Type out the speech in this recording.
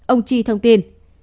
ông chi thông tin